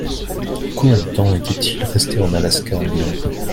Combien de temps était-il resté en Alaska environ ?